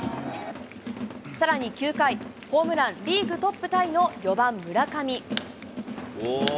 さらに９回、ホームラン、リーグトップタイの４番村上。